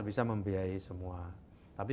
bisa membiayai semua tapi